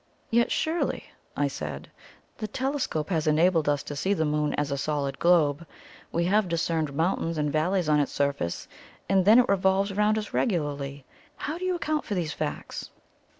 "Yet surely," I said, "the telescope has enabled us to see the Moon as a solid globe we have discerned mountains and valleys on its surface; and then it revolves round us regularly how do you account for these facts?"